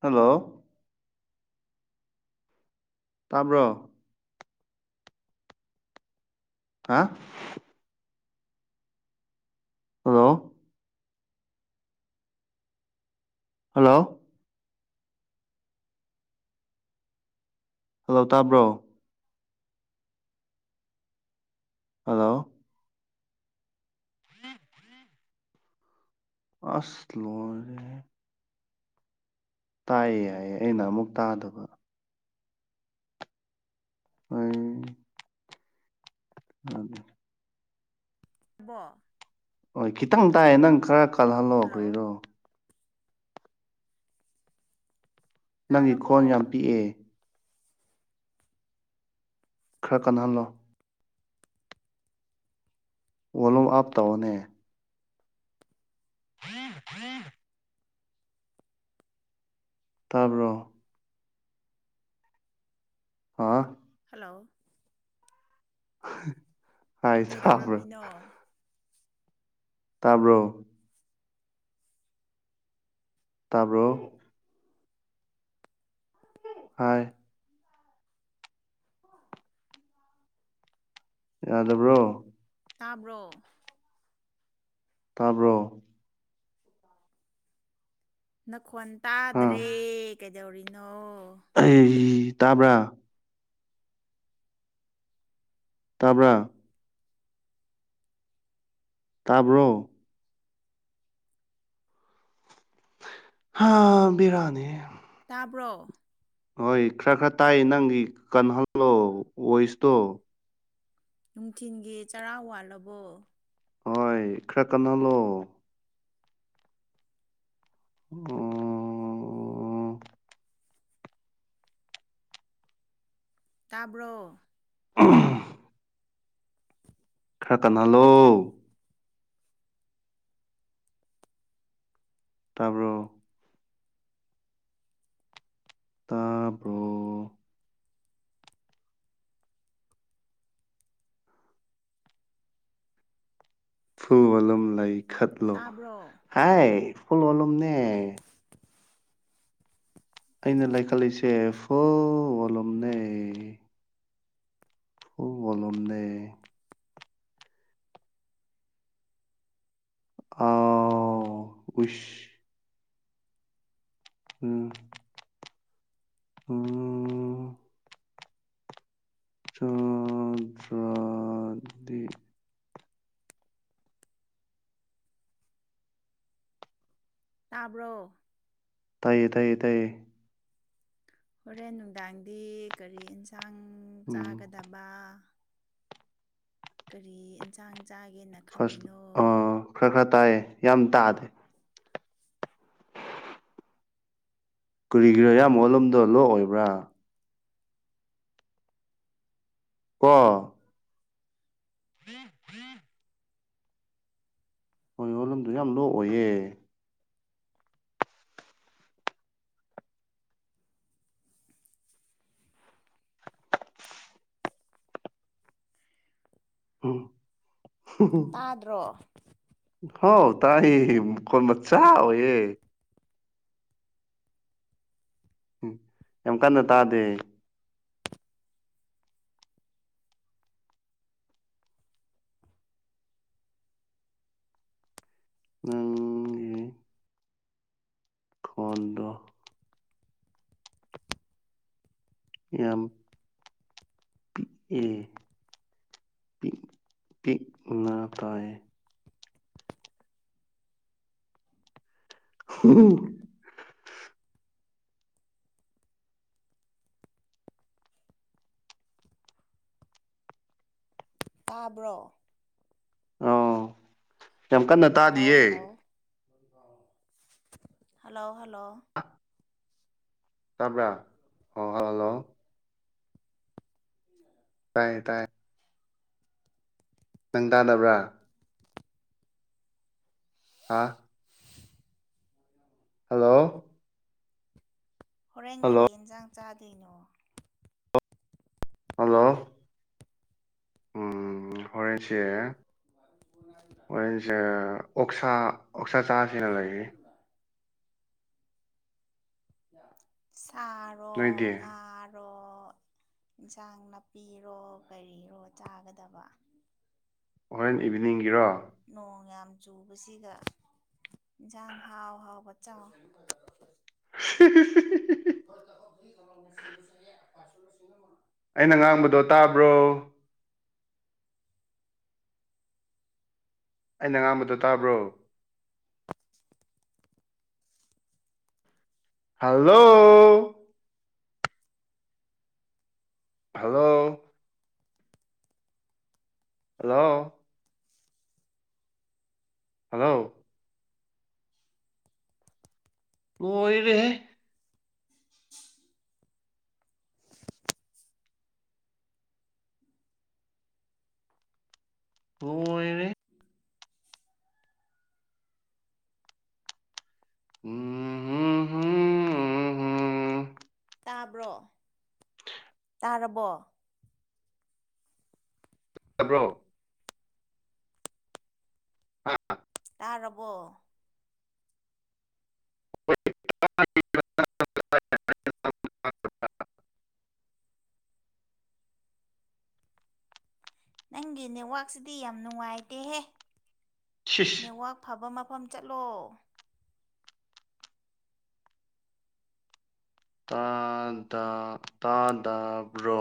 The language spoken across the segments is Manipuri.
ꯍꯜꯂꯣ ꯇꯥꯕ꯭ꯔꯣ ꯍꯥ ꯍꯜꯂꯣ ꯍꯜꯂꯣ ꯍꯜꯂꯣ ꯇꯥꯕ꯭ꯔꯣ ꯍꯜꯂꯣ ꯍ ꯐꯔꯤ ꯑꯁꯂꯣ ꯇꯥꯏꯌꯦ ꯌꯥꯏꯌꯦ ꯑꯩꯅ ꯑꯃꯨꯛ ꯇꯥꯗꯕ ꯍ ꯑꯗꯨ [inaudible] ꯍꯣꯏ ꯈꯤꯇꯪ ꯇꯥꯏꯌꯦ ꯅꯪ ꯈꯔ ꯀꯜꯍꯜꯂꯣꯑꯣ ꯍꯜꯂꯣ ꯀ꯭ꯔꯤꯔꯣ ꯅꯪꯒꯤ ꯈꯣꯟ ꯌꯥꯝ ꯇꯥꯔꯕꯣ ꯄꯤꯛꯑꯦ ꯈꯔ ꯀꯟꯍꯜꯂꯣ ꯋꯥꯣꯂꯨꯝ ꯑꯞ ꯇꯧꯧꯕꯅꯦ ꯍ꯭ꯏꯟ ꯍꯨꯏꯟ ꯇꯥꯕ꯭ꯔꯣ ꯍꯥꯥ ꯍꯜꯂꯣ ꯎ ꯀꯩꯗꯧꯔꯝꯃꯤꯅꯣ ꯇꯥꯕ꯭ꯔꯣ ꯇꯥꯕ꯭ꯔꯣ ꯍꯥꯏ ꯌꯥꯗꯕ꯭ꯔꯣ ꯇꯥꯕ꯭ꯔꯣ ꯇꯥꯕ꯭ꯔꯣ ꯅꯈꯣꯟ ꯑꯥ ꯇꯥꯗ꯭ꯔꯦ ꯀꯩꯗꯧꯔꯤꯅꯣ ꯑꯩ ꯇꯥꯕ꯭ꯔꯥ ꯇꯥꯕ꯭ꯔ ꯇꯥꯕ꯭ꯔꯣ ꯍꯥꯥ ꯕꯤꯔꯅꯤ ꯇꯥꯕ꯭ꯔꯣ ꯍꯣꯏ ꯈꯔ ꯈꯔ ꯇꯥꯏ ꯅꯪꯒꯤ ꯀꯟꯍꯜꯂꯣ ꯁꯇꯣ ꯅꯨꯡꯊꯤꯟꯒꯤ ꯆꯔꯥ ꯋꯥꯠꯂꯕꯣ ꯍꯣꯏ ꯈꯔ ꯀꯟꯅꯜꯂꯣ ꯎꯝ ꯇꯥꯕ꯭ꯔꯣ ꯑ [inaudible] ꯀꯀꯅꯂꯣ ꯇꯥꯔꯕ꯭ꯔꯣ ꯇꯥꯕ꯭ꯔꯣ ꯐꯨꯜ ꯋꯥꯂꯨꯝ ꯂꯩ ꯈꯠꯂꯣ ꯇꯥꯕ꯭ꯔꯣ ꯍꯥꯏꯥꯏ ꯐꯨꯜ ꯋꯥꯂꯨꯝꯅꯦ ꯑꯩꯅ ꯂꯥꯏꯈꯠꯂꯛꯏꯁꯦ ꯍꯣ ꯋꯥꯂꯣꯝꯅꯦ ꯄꯨ ꯋꯥꯂꯗꯦ ꯑ ꯎꯁ ꯎꯝ ꯑꯣ ꯆꯣꯡ ꯆ꯭ꯔꯥꯗꯤ ꯇꯥꯕ꯭ꯔꯣ ꯇꯥꯏꯌꯦ ꯇꯥꯏꯌꯦ ꯇꯥꯏꯌꯦ ꯍꯣꯔꯦꯟ ꯅꯨꯡꯗꯥꯡꯗꯤ ꯀꯔꯤ ꯌꯦꯟꯁꯥꯡ ꯎꯝ ꯆꯥꯒꯗꯕ ꯀꯔꯤ ꯏꯟꯁꯥꯡ ꯆꯥꯒꯦꯅ ꯐꯥꯔꯁ ꯈꯜꯂꯤꯅꯣ ꯑ ꯈꯔ ꯈꯔ ꯇꯥꯏꯌꯦ ꯌꯥꯝ ꯇꯥꯗꯦ ꯀꯨꯔꯤꯒꯤꯔꯣ ꯑꯌꯥꯝꯕꯂꯣꯗꯣ ꯂꯣꯛꯑꯣꯏꯕ꯭ꯔꯥ ꯀ [unintelligible] ꯍꯣꯏ ꯌꯣꯂꯝꯗꯣ ꯌꯥꯝ ꯂꯣ ꯑꯣꯏꯌꯦ ꯎ ꯇꯥꯗ꯭ꯔꯣ ꯍ ꯇꯥꯏ ꯀꯣꯟ ꯃꯆꯥ ꯌꯦ ꯎꯝ ꯌꯥꯝ ꯀꯟꯅ ꯇꯥꯗꯦ [unintelligible] ꯐꯣꯟꯗ ꯌꯥꯝ ꯄꯤꯛꯑ ꯄꯤꯛꯅ ꯇꯥꯏꯑ ꯎꯝ ꯇꯥꯕ꯭ꯔꯣ ꯑꯥꯎ ꯍꯜꯂꯣ ꯍꯜꯂꯣ ꯍꯜꯂꯣ ꯍꯜꯂꯣ ꯇꯥꯕ꯭ꯔꯥ ꯑꯣꯜ ꯍꯜꯂꯣ ꯎ ꯇꯥꯏꯌꯦ ꯇꯥꯏ ꯅꯪ ꯇꯥꯟꯅꯕ꯭ꯔꯥ ꯍꯥꯥ ꯍꯜꯂꯣ ꯍꯣꯔꯦꯟ ꯀꯔꯤ ꯍꯜꯂꯣ ꯌꯦꯟꯖꯥꯡ ꯆꯥꯗꯣꯏꯅꯣ ꯍꯜꯂꯣ ꯎꯝ ꯍꯣꯔꯦꯟꯁꯦ ꯃ ꯐꯅ ꯍꯣꯔꯦꯟꯁꯦ ꯑꯣꯛꯁꯥ ꯑꯣꯛꯁꯥ ꯆꯥꯁꯤꯅ ꯂꯩꯔꯤ ꯁꯥꯔꯣ ꯅꯣꯏꯗꯤ ꯉꯥꯔꯣ ꯏꯟꯁꯥꯡ ꯅꯥꯄꯤꯔꯣ ꯀꯔꯤꯔꯣ ꯆꯥꯒꯗꯕ ꯑꯣꯍꯣꯏꯦꯟ ꯏꯚꯤꯅꯤꯡꯒꯤꯔꯣ ꯅꯣꯡ ꯌꯥꯝ ꯆꯨꯕꯁꯤꯒ ꯏꯟꯁꯥꯡ ꯍꯥꯎ ꯍꯥꯎꯕ ꯆꯪ ꯎ [inaudible] ꯐꯣꯏ [inaudible] ꯑꯩꯅ ꯉꯥꯡꯕꯗꯣ ꯇꯥꯕ꯭ꯔꯣ ꯑꯩꯅ ꯉꯥꯡꯕꯗꯣ ꯇꯥꯕ꯭ꯔꯣ ꯍꯜꯂꯣ ꯍꯜꯂꯣ ꯍꯜꯂꯣ ꯍꯜꯂꯣ ꯂꯣꯏꯔꯦ ꯂꯣꯢꯔꯦ ꯎꯝ ꯇꯥꯕ꯭ꯔꯣ ꯇꯥꯔꯕꯣ ꯇꯕ꯭ꯔꯣ ꯍꯥ ꯇꯥꯔꯕꯣ [inaudible] ꯅꯪꯒꯤ ꯅꯦꯠꯋꯥꯛꯁꯤꯗꯤ ꯌꯥꯝ ꯅꯨꯡꯉꯥꯏꯇꯦꯍꯦ ꯁꯤꯁ ꯅꯦꯠꯋꯥꯛ ꯑꯐꯕ ꯃꯐꯝ ꯆꯠꯂꯣ ꯇꯥ ꯇꯥꯗꯕ꯭ꯔꯣ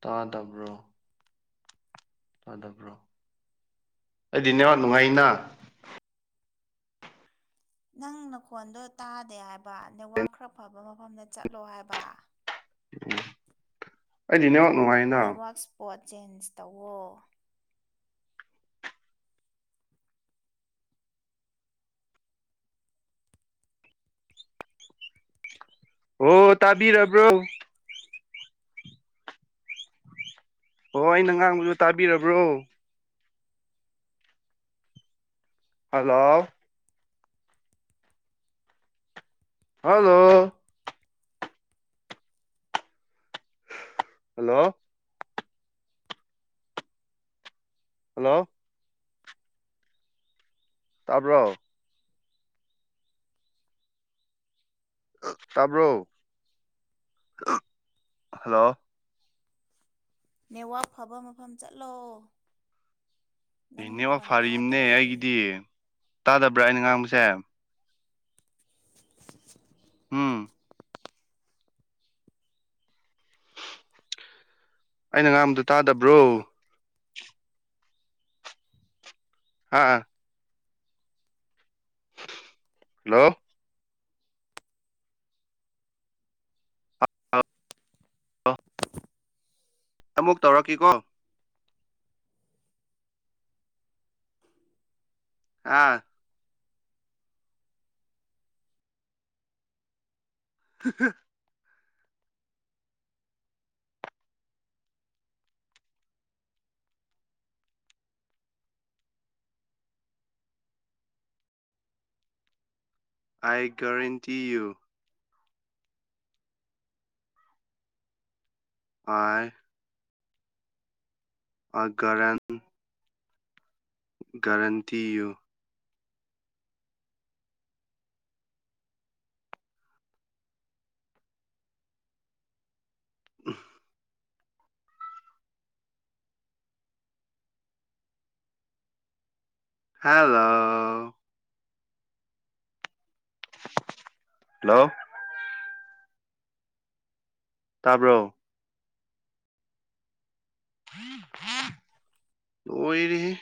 ꯇꯥ ꯇꯕ꯭ꯔꯣ ꯇꯗꯕ꯭ꯔꯣ ꯑꯩꯗꯤꯅꯦ ꯅꯨꯡꯉꯥꯏꯅ ꯅꯪ ꯅꯈꯣꯟꯗꯣ ꯇꯥꯗꯦ ꯍꯥꯏꯕ ꯅꯦꯠꯋꯥꯛ ꯈꯔ ꯐꯕ ꯃꯐꯝꯗ ꯆꯠꯂꯣ ꯍꯥꯏꯕ ꯎ ꯑꯩꯗꯤꯅꯦ ꯅꯨꯡꯉꯥꯏ ꯅꯦꯠꯋꯔꯥꯛ ꯏꯁ꯭ꯄꯣꯠ ꯆꯦꯟꯖ ꯇꯧꯋꯣ ꯍꯣ ꯇꯥꯕꯤꯔꯕ꯭ꯔꯣ ꯑꯣ ꯑꯩꯅ ꯉꯥꯡꯕꯗꯨ ꯇꯥꯕꯤꯔꯕ꯭ꯔꯣ ꯍꯥꯜꯂꯣ ꯍꯜꯂꯣ ꯍꯜꯂꯣ ꯍꯜꯂꯣ ꯇꯥꯕ꯭ꯔꯣ ꯇꯥꯕ꯭ꯔꯣ ꯍꯜꯂꯣ ꯅꯦꯠꯋꯥꯛ ꯐꯕ ꯃꯐꯝ ꯆꯠꯂꯣ ꯅꯪ ꯑꯦꯅꯦꯕ ꯈꯣꯟ ꯐꯥꯔꯤꯕꯅꯦ ꯇꯥꯗ꯭ꯔꯦ ꯑꯩꯒꯤꯗꯤ ꯇꯥꯗꯕ꯭ꯔꯥ ꯑꯩꯅ ꯉꯥꯡꯕꯁꯦ [unintelligible] ꯎꯝ ꯑꯩꯅ ꯉꯥꯡꯕꯗꯨ ꯇꯥꯗꯕ꯭ꯔꯣ ꯍꯥ ꯍꯜꯂꯣ ꯑꯃꯨꯛ ꯇꯧꯔꯛꯀꯦꯀꯣ ꯑꯥ ꯀ [inaudible] ꯑꯥꯏ ꯒꯔꯦꯟꯇꯤ ꯌꯨ [inaudible] ꯍ [inaudible] [unintelligible] ꯒꯥꯔꯦꯟꯇꯤ ꯌꯨ [unintelligible] ꯍꯜꯂꯣ ꯍꯜꯂꯣ ꯇꯥꯕ꯭ꯔꯣ [unintelligible] ꯂꯣꯏꯔꯦꯍꯦ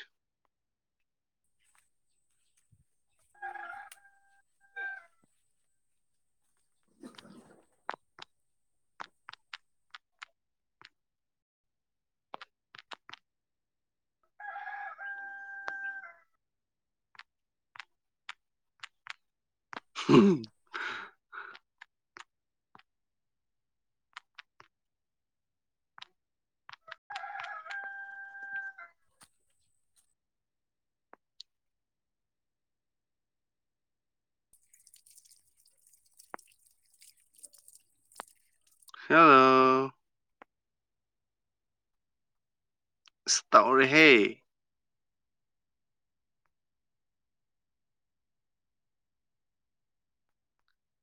[unintelligible] ꯍꯜꯂꯣ ꯑꯁ ꯇꯧꯔꯦ ꯍꯦ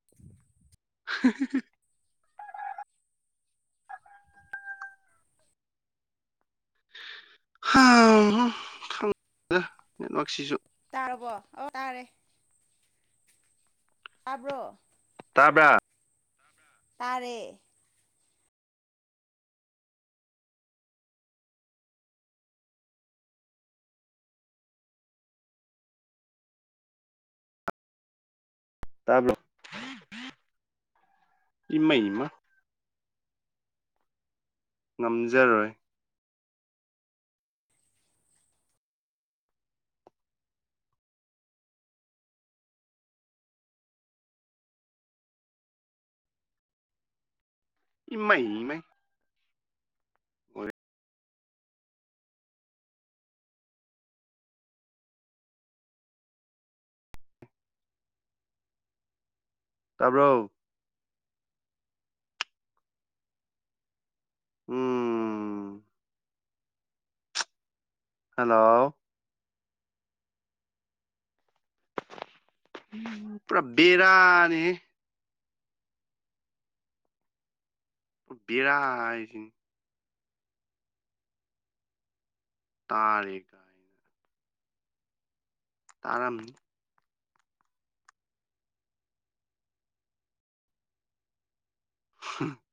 [inaudible] ꯅꯦꯠꯋ꯭ꯔꯥꯛꯁꯤꯁꯨ ꯇꯥꯔꯕꯣ ꯑꯣ ꯇꯥꯔꯦ ꯇꯥꯕ꯭ꯔꯣ ꯇꯥꯕ꯭ꯔ ꯇꯥꯔꯦ ꯇꯕ꯭ꯔꯣ ꯏꯃꯩ ꯃꯥ ꯉꯝꯖꯔꯣꯏ ꯏꯃꯩ ꯃꯩ ꯑꯣꯏꯔꯦ ꯇꯥꯕ꯭ꯔꯣ ꯎꯝ ꯍꯜꯂꯣ ꯄꯨꯔꯥ ꯕꯦꯔꯥꯅꯤꯍꯦ ꯕꯦꯔ ꯍꯏꯁꯤꯅꯦ ꯇꯔꯦ ꯇꯥꯔꯝꯅꯤ [unintelligible]